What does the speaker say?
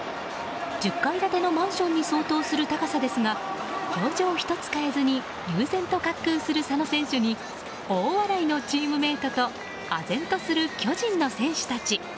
１０階建てのマンションに相当する高さですが表情一つ変えずに悠然と滑空する佐野選手に大笑いのチームメートとあぜんとする巨人の選手たち。